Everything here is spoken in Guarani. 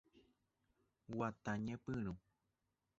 Guata Ñepyrũ.